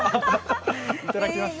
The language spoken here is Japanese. いただきました。